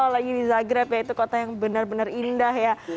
apalagi di zagreb ya itu kota yang benar benar indah ya